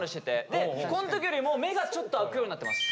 でこん時よりも目がちょっと開くようになってます。